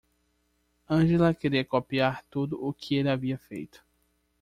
Angela queria copiar tudo o que ele havia feito.